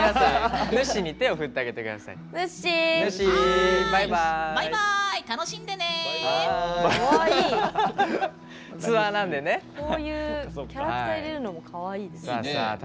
こういうキャラクター入れるのもかわいいですよね。